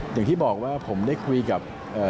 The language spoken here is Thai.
อย่างที่บอกว่าผมได้คุยกับ